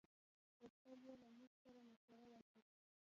غوښتل یې له موږ نه مشوره واخلي.